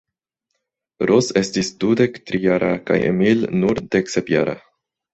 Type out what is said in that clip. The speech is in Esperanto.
Ros estis dudektrijara kaj Emil nur deksepjara.